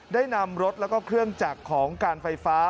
ได้นำรถแล้วก็เครื่องจักรของการไฟฟ้า